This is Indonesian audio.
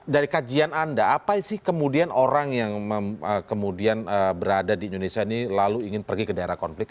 dari kajian anda apa sih kemudian orang yang kemudian berada di indonesia ini lalu ingin pergi ke daerah konflik